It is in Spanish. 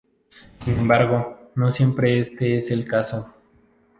Sin embargo, no siempre es este el caso.